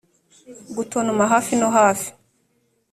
gutontoma hafi no hafi,